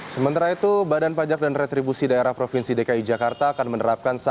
pembelian pajak kendaraan di jakarta timur